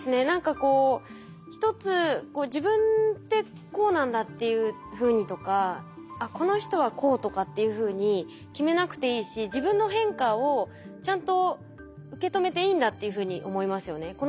何かこう一つ自分ってこうなんだっていうふうにとかこの人はこうとかっていうふうに決めなくていいし自分の変化をちゃんと受け止めていいんだっていうふうに思いますよね。